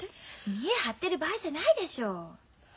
見栄張ってる場合じゃないでしょ。